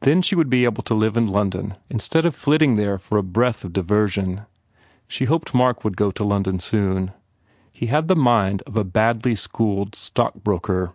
Then she would be able to live in London instead of flitting there for a breath of diversion. She hoped Mark would go to London soon. ... He had the mind of a badly schooled stock broker!